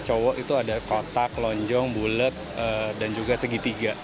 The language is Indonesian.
cowok itu ada kotak lonjong bulat dan juga segitiga